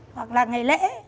hoặc là ngày lễ